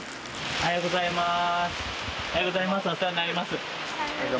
おはようございます